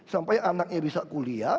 sampai anaknya bisa kuliah